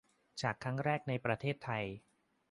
ฉายครั้งแรกในประเทศไทย !